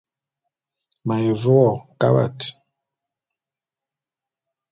M’aye ve wo kabat.